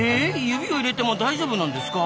指を入れても大丈夫なんですか？